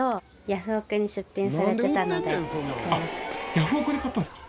ヤフオクで買ったんですか。